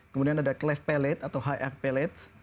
kemudian ada cleft palate atau high arch palate